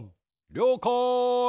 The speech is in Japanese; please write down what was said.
りょうかい。